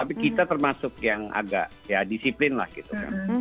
tapi kita termasuk yang agak ya disiplin lah gitu kan